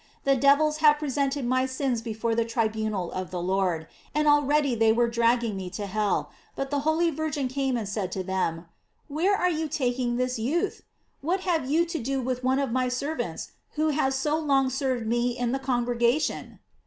The devils have presented my sins before the tribunal of the Lord, and already they were dragging me to hell, but the holy Virgin came and said to them: 'Where are you taking this youth? What have you to do with one of my servants who has so long served me in the con gregation?